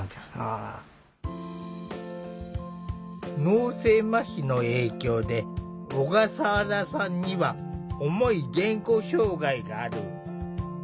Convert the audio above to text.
脳性まひの影響で小笠原さんには重い言語障害がある。